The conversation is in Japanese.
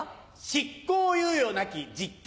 執行猶予なき実刑。